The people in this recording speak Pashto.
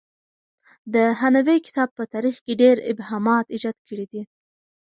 د هانوې کتاب په تاریخ کې ډېر ابهامات ایجاد کړي دي.